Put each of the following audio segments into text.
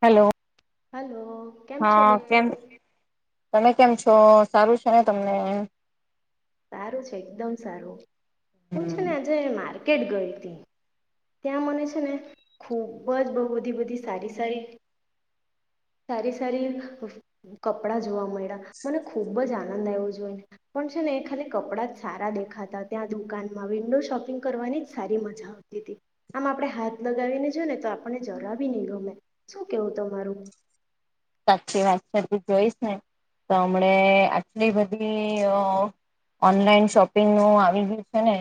Hello. Hello કેમ છો હા બેન? કેમ [unintelligible] તમે કેમ છો? સારું છે ને તમને? સારું છે, એકદમ સારું. કુછ ના [unintelligible] માર કેટ ગઈ તી, ત્યાં મને છે ને ખૂબ જ બ બધી બધી સારી સારી સારી સારી કપડા જોવા મયળા, મને ખૂબ જ આનંદ આય્વો જોઈને, પણ છે ને એક ખાલી કપડાં જ સારા દેખાતા, ત્યાં દુકાનમાં વિન્ડો શોપિંગ કરવાની જ સારી મજા આવતી તી, આમ આપડે હાથ લગાવીને જોયને તો આપણને જરા બી ની ગમે, શું કેવું તમારું? સાચી વાત જો તુ જોઈસ ને તો અમણે આટલી બધી [unintelligible] ઓનલાઈન શોપિંગનું આવી ગયું છે ને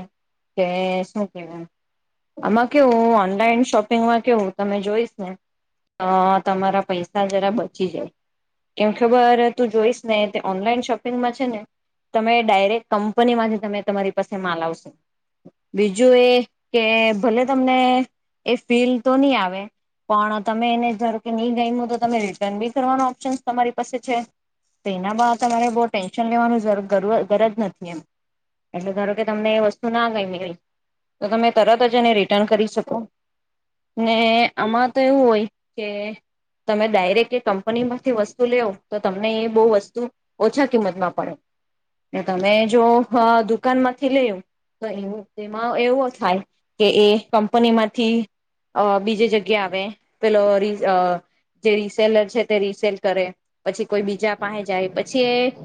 કે શું કે [unintelligible] આમાં કેવું ઓનલાઈન શોપિંગમાં કેવું તમે જોઈશ ને તો તમારા પૈસા જરા બ ચી જાય, એમ ખબર તું જોઈશ ને તે ઓનલાઈન શોપિંગમાં છે ને તમે ડાયરેક્ટ કંપનીમાંથી તમે તમારી પાસે માલ આવશે, બીજું એ કે ભલે તમને એ ફીલ તો ની આવે, પણ તમે એને ધારોકે ની ગયમુ તો તમે રી [unintelligible] બી કરવાનો ઓપ્શન તમારી પાસે છે, તો એના બા તમારે બો ટેન્શન લેવાનું ઝરુ ગરજ નથી એમ, એટલે ધારો કે તમને એ વસ્તુ ના ગયમી કઈ તો તમે તરત જ એને રિટર્ન કરી શકો, ને આમાં તો એવું હોય કે તમે ડાઈરેક કે કંપનીમાંથી વસ્તુ લેવ તો તમને એ બઉ વસ્તુ ઓછા કિંમતમાં પડે, તમે જો હ દુકાનમાંથી લેવ તો એવુ તેમાં એવુ અ થાય કે એ કંપનીમાંથી અ બીજી જગ્યા આવે પેલો રીઝ અ [unintelligible] સેલર છે તે રીસેલ કરે, પછી કોઈ બીજા પાંહે જાય, પછી એ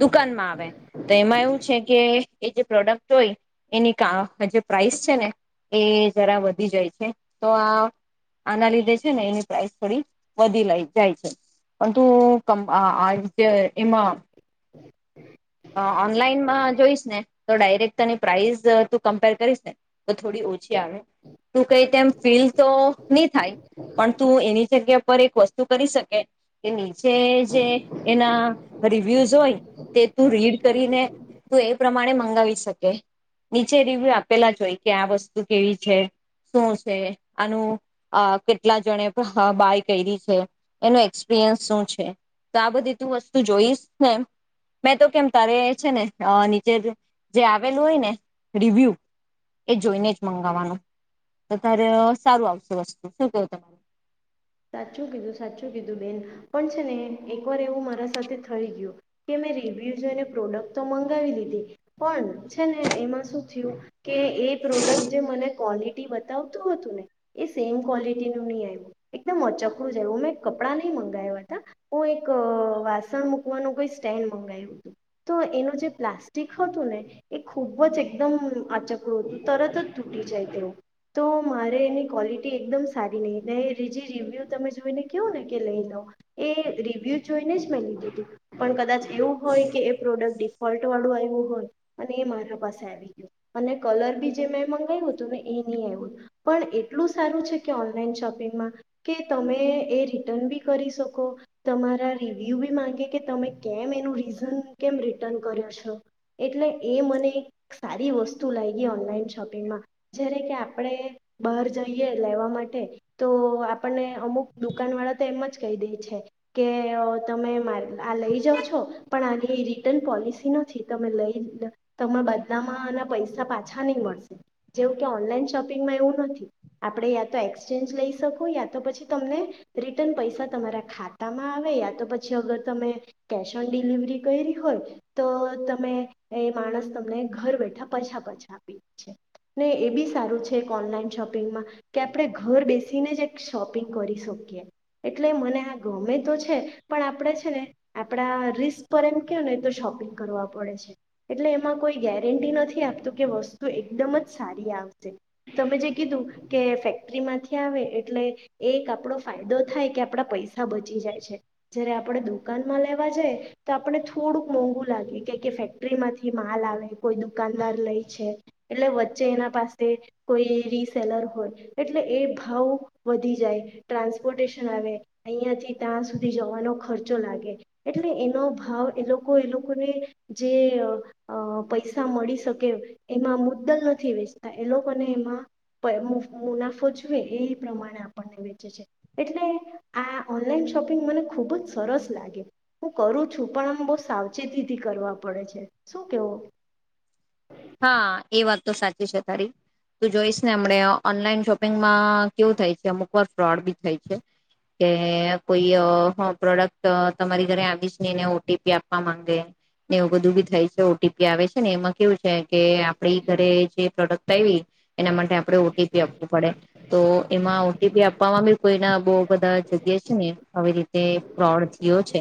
દુકાનમાં આવે, તો એમાં એવું છે કે એ જે પ્રોડક્ટ હોય એની કાં હ જે પ્રાઇસ છે ને એ જરા વધી જાય છે, તો આ આના લીધે સે ને એની પ્રાઈસ થોડી વધી જાય જાય છે, પંતુ કંપ આ આ તે એમાં અં ઓનલાઈનમાં જોઈશ ને તો ડાયરેક્ટ તને પ્રાઇસ તું કમ્પેર કરીશ ને તો થોડી ઓછી આવે, તું કંઈ તેમ ફીલ તો ની થાય પણ તું એની જગ્યા પર એક વસ્તુ કરી શકે કે નીચે જે એના રિવ્યૂઝ હોય તે તું રીડ કરીને તું એ પ્રમાણે મંગાવી શકે, નીચે રિવ્યુ આપેલા જોઈ કે આ વસ્તુ કેવી છે? શું છે? આનું કેટલા જણે બાય કયરી છે, એનું એક્સપિરિયન્સ શું છે, તો આ બધી તું વસ્તુ જોઈશ ને મેં તો કેમ તારે છે ને નીચે જે આવેલું હોય ને રિવ્યુ એ જોઈને જ મંગાવવાનું, તો તારે અ સારું આવશે વસ્તુ, શું કેય તમારુ? સાચું કીધું, સાચું કીધું બેન, પણ છે ને એકવાર એવું મારા સાથે થઈ ગયું કે મેં રિવ્યુ જોઈને પ્રોડક્ટ તો મંગાવી લીધી, પણ છે ને એમાં શું થયું કે એ પ્રોડક્ટ જે મને કોલિ ટી બતાવતું હતું ને એ સેમ ક્વોલિટીનું નઈ આય્વુ. એકદમ અચકળું જેવુ મેં કપડાં નઈ મંગાયવા તા, હું એક વાસણ મૂકવાનું કોઈ સ્ટેન્ડ મંગાય્વુ તુ, તો એનું જે પ્લાસ્ટિક હતું ને એ ખૂબ જ એકદમ અચકડું અતુ તરત જ તૂટી જાય તેવું, તો મારે એની ક્વોલિટી એકદમ સારી નઈ તે ત્રીજી રિવ્યૂ તમે જોઈને કેવને કે લઈ લો, એ રિવ્યૂ જોઈને જ મેં લીધું તુ પણ કદાચ એવું હોય કે એ પ્રોડક્ટ ડિફોલ્ટવાળું આયવુ હોય અને એ મારા પાસે આવી ગયું અને કલર બી જે મેં મંગાયવુ તુ ને એ ની આય્વુ, પણ એટલું સારું છે કે ઓનલાઈન શોપિંગમાં કે તમે એ રિટર્ન બી કરી શકો, તમારા રિવ્યુ બી માંગે કે તમે કેમ એનું રીઝન કેમ રિટર્ન કર્યો છો, એટલે એ મને એક સારી વસ્તુ લાયગી ઓનલાઈન શોપિંગમાં, જ્યારે કે આપણે બાર જઈએ લેવા માટે તો આપણને અમુક દુકાનવાળા તો એમ જ કઈ દેય છે, કે અ તમે આ લઈ જાવ છો પણ આની રિટર્ન પોલિસી નથી, તમે લઈ તમા બદલામાંના આના પૈસા પાછા ની મળશે, જેવું કે ઓનલાઈન શોપિંગમાં એવું નથી, આપણે યા તો એક્સચેન્જ લઈ તો યા તો પછી તમને રિટર્ન પૈસા તમારા ખાતામાં આવે યા તો પછી અગર તમે કેશ ઓન ડિલિવરી કયરી હોય, તો તમે એ માણસ તમને ઘર બેઠા પછા પછા આપી છે ને એ બી સારું છે એક ઓનલાઈન શોપિંગમાં કે આપણે ઘર બેસી થી ને જ એક શોપિંગ કરી શકીએ, એટલે મને આ ગમે તો છે પણ આપણે છે ને આપણા રિસ્ક પર એમ કયોને તો શોપિંગ કરવા પડે છે, એટલે એમાં કોઈ ગેરંટી નથી આપતું કે વસ્તુ એકદમ જ સારી આવશે, તમે જે કીધું કે ફેક્ટરીમાંથી ત્યાં આવે એટલે એક આપડો ફાયદો થાય કે આપડા પૈસા બચી જાય છે જય્યારે આપણે દુકાનમાં લેવા જાય, તો આપણને થોડુંક મોંઘું લાગે કે ક ફેક્ટરીમાંથી માલ આવે, કોઈ દુકાનદાર લઈ છે એટલે વચ્ચે એના પાસે કોઈ રીસેલર હોય એટલે એ ભાવ વધી જાય, ટ્રાન્સપોર્ટેશન આવે અઈયાથી ત્યાં સુધી જવાનો ખર્ચો લાગે, એટલે એનો ભાવ એ લોકો એ લોકોને જે અ પૈસા મળી શકે એમાં મુદ્દલ નથી વેચતા, એ લોકોને એમાં પ મુનાફો જ યે એ પ્રમાણે આપણને વેચે છે એટલે આ ઓનલાઈન શોપિંગ મને ખુબ જ સરસ લાગે, હું કરું છું પણ આમ બઉ સાવચેતીથી કરવા પડે છે, શું કેવો હા એ વાત તો સાચી છે તારી, તું જોઈશ ને અમણે ઓનલાઈન શોપિંગમાં કેવું થાય છે અમુક વાર ફ્રોડ બી થાય છે કે કોઈ અ હં પ્રોડક્ટ તમારી ઘરે આવીશ ને એને ઓ ટી પી આપવા માંગે ને એવું બધું બી થાય છે, ઓ ટી પી આવે છે ને એમાં કેવું છે કે આપડી ઘરે જે પ્રોડક્ટ આયવી એના માટે આપણે ઓ ટી પી આપવું પડે, તો એમાં ઓ ટી પી આપવામાં બી કોઈના બઉ બધા જગ્યા છે ને આવી રીતે ફ્રોડ થયો છે,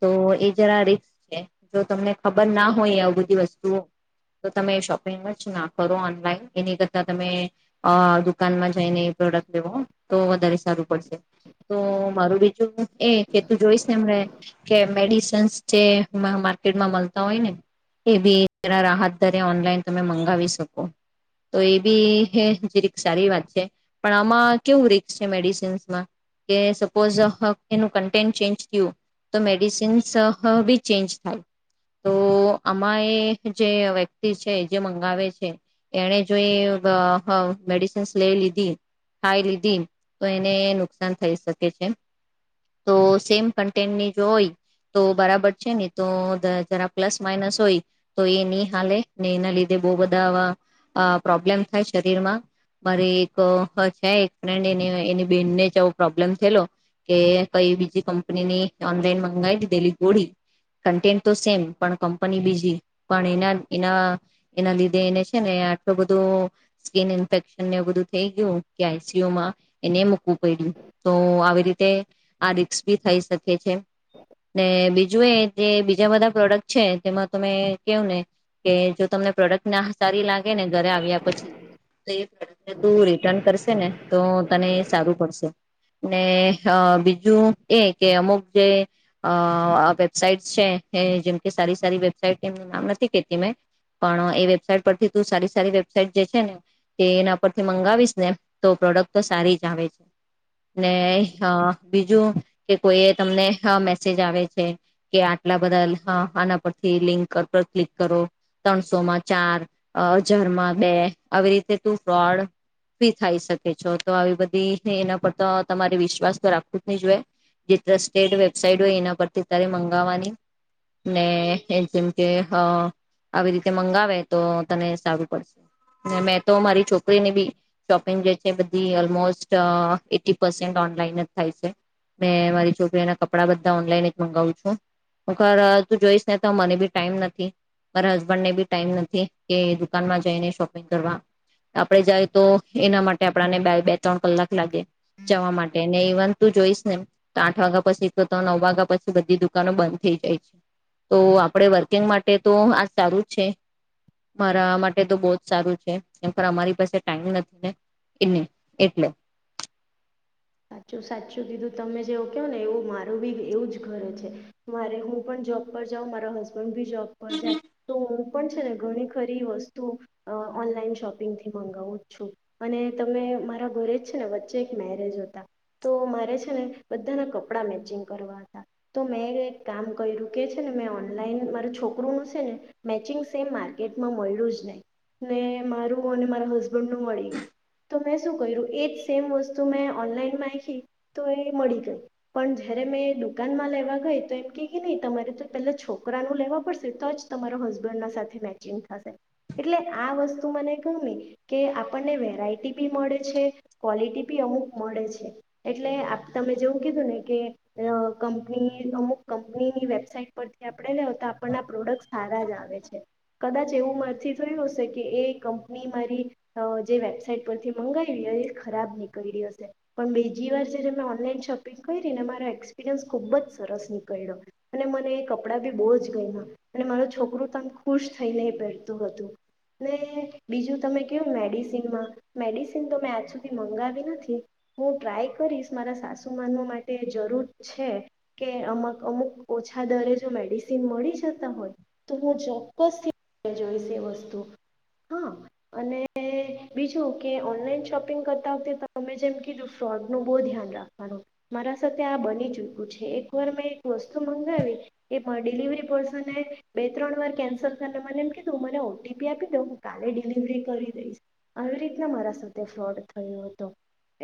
તો એ જરા રીસ્ક છે, જો તમને ખબર ના હોય આવ બધી વસ્તુઓ તો તમે શોપિંગ જ ના કરો ઓનલાઈન એની કરતાં તમે અ દુકાનમાં જઈને એ પ્રોડક્ટ લેવો તો વધારે સારું પડશે, તો મારું બીજું એ કે તું જોઈશ ને અમણે કે મેડિસન્સ જે મા માર્કેટમાં મલતા હોય ને એ બી રા રાહત વધારે ઓનલાઈન તમે મંગાવી શકો, તો એ બી જીરીક સારી વાત છે, પણ આમાં કેવું રિકી છે મેડિસિન્સમાં કે સપોઝ એનું કન્ટેન્ટ ચેન્જ થ્યું, તો મેડિસિન્સ બી ચેન્જ થાય તો આમાં એ જે અવે તે છે જે મંગાવે છે એણે જો એ વ હ મેડિસિન્સ લેઈ લીધી, ખાઈ લીધી, તો એને નુકસાન થઈ શકે છે, તો સેમ કન્ટેન્ટની જો હોય તો બરાબર છે ની તો જરા પ્લસ માઇનસ હોય તો એ ની હાલે ને એના લીધે બઉ બધા આવા અ પ્રોબ્લેમ થાય શરીરમાં, મારે એક છે એક ફ્રેન્ડ એ એની બેહેનને જ આવો પ્રોબ્લેમ થેલો કે કઈ બીજી કંપનીની ઓનલાઈન મંગાઈ દીધેલી ગોળી, કન્ટેન્ટ તો સેમ પણ કંપની બીજી, પણ એના એના એના લીધે એને છે ને આટલું બધું સ્કીિન ઇન્ફેક્શનને બધું થેઈ ગયું કે આઈ સી યુ માં એને મૂકવું પયડુ, તો આવી રી આ રિક્સ ભી થઈ શકે છે ને, બીજ જોએ જે બીજા બધા પ્રોડક્ટ છે તેમાં તમે કેવ ને. કે જો તમને પ્રોડક્ટ ના સારી લાગે ને ઘરે આવ્યા પછી, તો એ પ્રોડક્ટને તું રિટર્ન કરશે ને તો તને સારું પડશે, ને બીજું એ કે અમુક જે, વેબસાાઈટ છે એ જેમ કે સારી સારી વેબસાાઈટ એમનું નામ નથી કેતી પણ એ વેબસાાઈટ પરથી તું સારી સારી વેબસાાઈટ જે છે ને, તે એના પરથી મંગાવીશ ને તો પ્રોડક્ટ તો સારી જ આવે છે. નને હા બીજું, કે કોઈ તમને મેસેજ આવે છે, ‌ કે આટલાં બધાં આના પરથી લિંક ક્લિક કરો, ત્રણસો માં ચાર, હજાર માં બે, આવી રીતે તું ફ્રોડ, ફી થાય શકે છે. તો આવી બધી એના પર તો તમારે વિશ્વાસ તો રાખવું જ નહી જોઈએ, જે ત્રસ્ટેટ વેબસાઇટ હોય એના પરથી તારે મંગાવવાની, ને જેમ કે હ, આવી રીતે મંગાવે તો તને સારું પડશેને મેં તો મારી છોકરીની બી શોપિંગ જે છે, બધી ઓલમોસ્ટ એટી પસેન્ટ ઓનલાઈન જ થાય છે, મેં મારી છોકરીઓના કપડાં બધાં ઓનલાઈન જ મંગાવું છું, હખર તું જોઈશ ને તો મને બી ટાઈમ નથી મારા હસબન્ડને બી ટાઈમ નથી કે દુકાનમાં જઈને શોપિંગ કરવા, આપણે જાય તો એના માટે આપને બે ત્રણ કલાક લાગે જવા માટે, ને ઇવન તું જોઈશ ને આઠ વાગ્યા પછી ન વાગ્યા પછી બધી દુકાનો બંધ થઈ જાય છે, તો આપણે વર્કિંગ માટે માટે તો આ સારું જ છે, મારા માટે તો બહ જ સારું છે, એમ અમારી પાસે ટાઈમ નથી ને એને એટલે. સાચું સાચું કીધું તમે જેવું કહ ને એવું મારું બી એવું જ ઘરે છે, મારે હું પણ જોબ પર જાઉં મારો હસબન્ડ બી જોબ પર જાય, તો પણ છે ને ઘણી ખરી વસ્તુ, ઓનલાઈન શોપિંગથી મગાવું જ છું, અને તમે મારા ઘરે જ છે ને વચ્ચે એક મેરેજ હતા તો મારે છેને બધાનાં કપડા મેચિંગ કરવા હતા, તો મેં એક કામ કર્યું કે છેને મેં ઓનલાઈન માર છોકરુંનું છે ને, મેચિંગ સેમ માર્કેટમાં મળ્યું જ નહી, ને મારું અને મારા હસબન્ડ નું મળી ગયું, તો મેં શું કર્યું એ જ સેમ વસ્તુ મેં ઓનલાન તો એ મળી ગઈ, પણ જયારે મેં દુકાનમાં લેવા ગઈ તો એમ કે કે નહી તમારે તો પેલા છોકરા ન લેવા પડશે તો જ તમારો હસબન્ડના સાથે મેચિંગ થશે, એટલે આ વસ્તુ મને ગમે કે આપણને વેરાયટી બી મળે છે, ક્વલિટી બી અમુક મળે છે. એટલે તમે જેવું કીધું ને કે, કંપની અમુક કંપનીની વેબસાાઈટ પરથી આપણે લે તો આપણના પ્રોડક્ટ સારા જ આવે છે, કદાચ એવું મારથી થયું હશે કે ‌ એ કંપની મારી, જે વેબસાાઈટ પરથી મંગાવી હોય અને ખરાબ નીકળી હશે. પણ બીજી વાર જ્યારે મેં ઓનલાઈન શોપિંગ કરી ને મારો એક્સપિરિયન્સ ખૂબ જ સરસ નીકળ્યો, અને મને એ કપડાં બી બહુ જ ગમ્યા, અને મારો છોકરું તમ ખુશ થઈને પહેરતું હતું, ને બીજું તમે કહું મેડિસિનમાં મેડિસિન તો મેં આજ સુધી મંગાવી નથી. હું ટ્રાય કરીશ મારા સાસુ માનવા માટે જરૂર છે, કે અમુક અમુક ઓછા દરે જો મેડિસિન મળી જતા હોય, તો હું ચોક્કસથી જોઈશ એ વસ્તુ, હા અને બીજું કે ઓનલાઈન શોપિંગ કરતા વખતે તમે જેમ કીધું ફ્રોડનું બહુ ધ્યાન રાખવાનું, મારા સાથે આ બની ચૂકું છે, એકવાર મેં એક વસ્તુ મંગાવી એ ડિલિવરી પર્સને બે ત્રણ વાર કેન્સલ કરીને મને એમ કીધું મને ઓટીપી આપી દઉં હું કાલે ડિલિવરી કરી દઈશ, આવી રીતના મારા સાથે ફ્રોડ થયો હતો.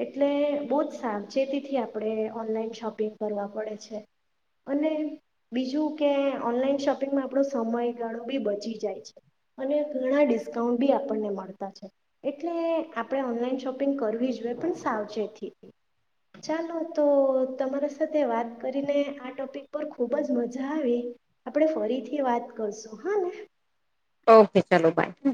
એટલે બહુ જ સાવચેતીથી આપણે ઓનલાઈન શોપિંગ કરવા પડે છે, અને બીજું કે ઓનલાઈન શોપિંગમાં આપણો સમય ગાણો બી બચી જાય છે, અને ઘણાં ડિસ્કાઉન્ટ બી આપણને મળતા છે, એટલે આપણે ઓનલાઈન શોપિંગ કરવી જોઈએ પણ સાવચેતી થી, ચાલો તો તમારા સાથે વાત કરીને આ ટોપિક પર ખુબ જ મજા આવી, આપણે ફરીથી વાત કરશું હા ને. ઓકે ચાલો બાય હ.